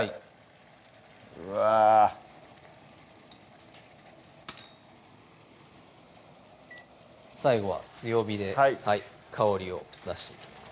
うわ最後は強火ではい香りを出していきます